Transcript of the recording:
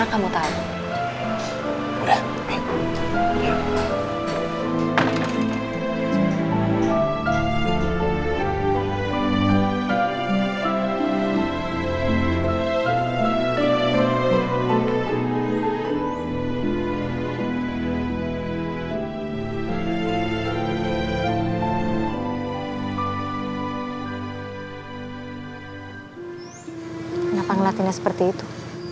kenapa ngelatihnya seperti itu